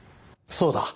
そうだ。